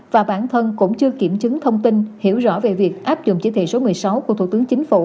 và bản thân cũng chưa kiểm chứng thông tin hiểu rõ về việc áp dụng chỉ thị số một mươi sáu của thủ tướng chính phủ